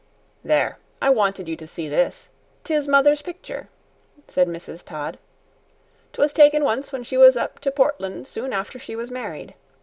"There, I wanted you to see this, 'tis mother's picture," said Mrs. Todd; "'twas taken once when she was up to Portland soon after she was married.